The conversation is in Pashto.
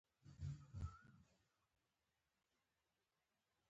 هغوی د علم په ارزښت ښه پوهېدل.